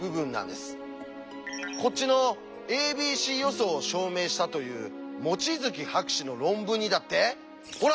こっちの「ａｂｃ予想」を証明したという望月博士の論文にだってほら！